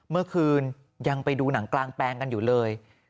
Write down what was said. เมื่อคืนยังไปดูหนังกลางแปลงกันอยู่เลย